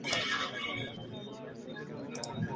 Alsacia cayó bajo el control de Luis el Germánico.